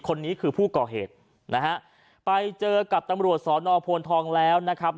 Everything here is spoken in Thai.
คนนี้คือผู้ก่อเหตุนะฮะไปเจอกับตำรวจสอนอโพนทองแล้วนะครับ